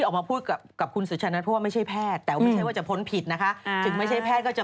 หมอกระมวดหมอกระมวดเป็นคนเก่งมากนะ